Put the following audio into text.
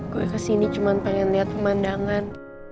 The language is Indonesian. gue kesini cuma pengen lihat pemandangan